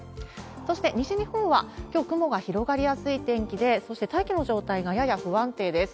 そして西日本はきょう、雲が広がりやすい天気で、そして大気の状態がやや不安定です。